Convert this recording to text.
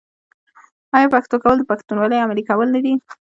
آیا پښتو کول د پښتونولۍ عملي کول نه دي؟